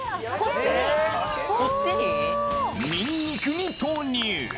ニンニクに投入。